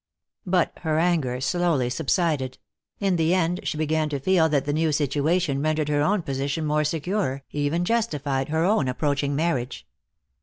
But her anger slowly subsided; in the end she began to feel that the new situation rendered her own position more secure, even justified her own approaching marriage.